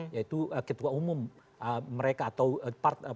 yaitu ketua umum mereka atau partai yang akan datang